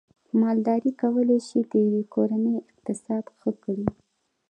مالداري کولای شي د یوې کورنۍ اقتصاد ښه کړي